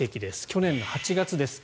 去年の８月です。